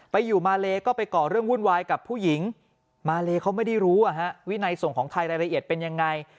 ไปอยู่มาเลก็ไปก่อเรื่องวุ่นวายกับผู้หญิงมาเลเขาไม่ได้รู้วินัยส่งของไทยรายละเอียดเป็นยังไง